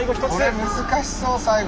これ難しそう最後。